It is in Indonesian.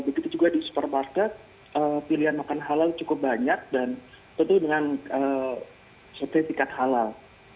begitu juga di supermarket pilihan makan halal cukup banyak dan tentu dengan sertifikat halal